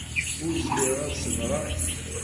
Ur zmireɣ ad s-ṣebreɣ.